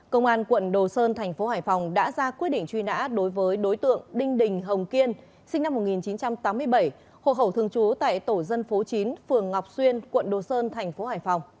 công an tp hcm đã ra quyết định truy nã đối với đối tượng đinh đình hồng kiên sinh năm một nghìn chín trăm tám mươi bảy hộ khẩu thường trú tại tổ dân phố chín phường ngọc xuyên tp hcm